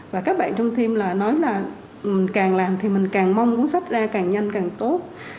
và các bạn trong team là nói là mình càng làm thì mình càng mong cuốn sách ra càng nhanh càng tốt